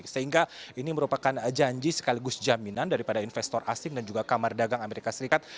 sehingga ini merupakan janji sekaligus jaminan daripada investor asing dan juga kamar dagang amerika serikat